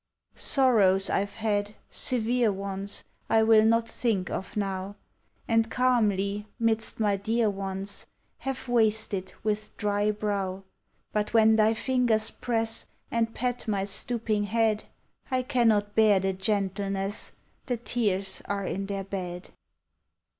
Sorrows I 've had, severe ones, I will not think of now; And calmly, midst my dear ones, Have wasted with dry brow; But when thy fingers press And pat my stooping head, I cannot bear the gentleness, — The tears are in their bed.